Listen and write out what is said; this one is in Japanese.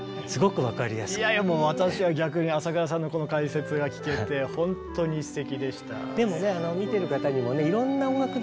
いやいやもう私は逆に浅倉さんのこの解説が聞けてほんとにすてきでした。